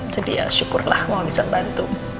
jadi ya syukurlah mau bisa bantu